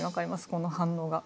この反応が。